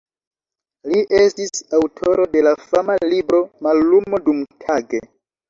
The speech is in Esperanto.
Li estis aŭtoro de la fama libro "Mallumo dumtage".